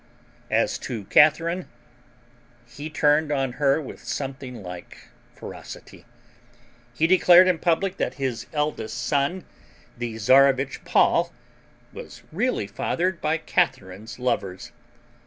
As to Catharine, he turned on her with something like ferocity. He declared in public that his eldest son, the Czarevitch Paul, was really fathered by Catharine's lovers.